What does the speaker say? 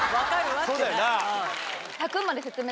そうだよな。